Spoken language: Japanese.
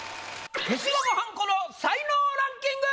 消しゴムはんこの才能ランキング！